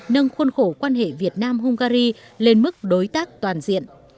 nâng khuôn khổ quan hệ việt nam hungary lên mức đối tác toàn diện